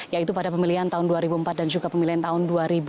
yaitu pada pemilihan tahun dua ribu empat dan juga pemilihan tahun dua ribu empat